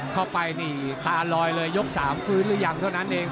เข้าไปนี่ตาลอยเลยยก๓ฟื้นหรือยังเท่านั้นเอง